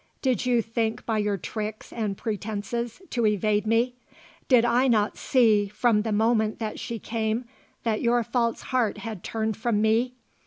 Did you think by your tricks and pretences to evade me? Did I not see, from the moment that she came, that your false heart had turned from me?"